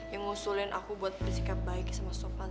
yang ngusulin aku buat bersikap baik sama sofal